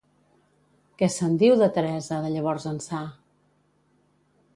Què se'n diu de Teresa, de llavors ençà?